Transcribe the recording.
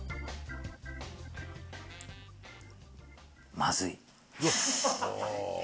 まずい。